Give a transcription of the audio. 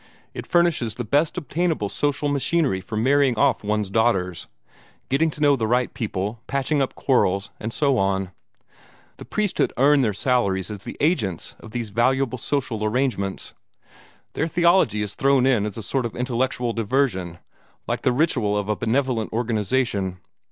It furnishes the best obtainable social machinery for marrying off one's daughters, getting to know the right people, patching up quarrels, and so on. The priesthood earn their salaries as the agents for these valuable social arrangements. Their theology is thrown in as a sort of intellectual diversion, like the ritual of a benevolent organization.